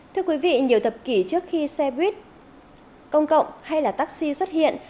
thưa quý vị nhiều thập kỷ trước khi xe buýt công cộng hay là taxi xuất hiện